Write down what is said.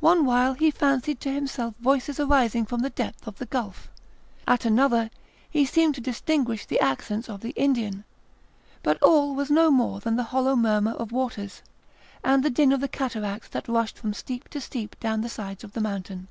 One while he fancied to himself voices arising from the depth of the gulf; at another he seemed to distinguish the accents of the Indian, but all was no more than the hollow murmur of waters, and the din of the cataracts that rushed from steep to steep down the sides of the mountain.